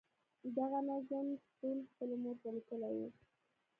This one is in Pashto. دغه نظم شپون خپلې مور ته لیکلی وو.